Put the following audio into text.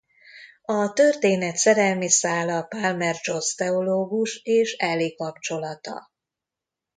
A történet szerelmi szála Palmer Joss teológus és Ellie kapcsolata.